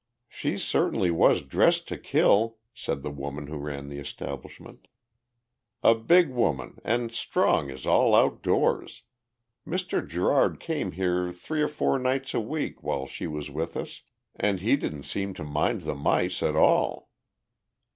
"She certainly was dressed to kill," said the woman who ran the establishment. "A big woman and strong as all outdoors. Mr. Gerard came here three or four nights a week while she was with us and he didn't seem to mind the mice at all."